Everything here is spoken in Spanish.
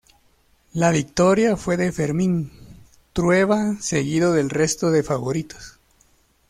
La victoria fue de Fermín Trueba seguido del resto de favoritos.